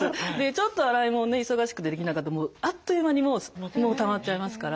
ちょっと洗い物ね忙しくてできなかったらもうあっという間にもうたまっちゃいますから。